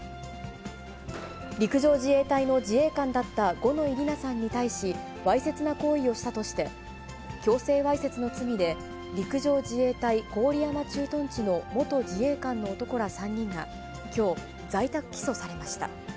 陸上自衛隊の自衛官だった五ノ井里奈さんに対し、わいせつな行為をしたとして、強制わいせつの罪で、陸上自衛隊郡山駐屯地の元自衛官の男ら３人がきょう、在宅起訴されました。